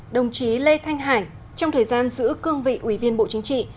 đồng chí lê thanh hải trong thời gian giữ cương vị ủy viên bộ chính trị